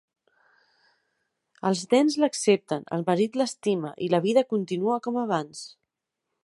Els nens l'accepten, el marit l'estima, i la vida continua com abans.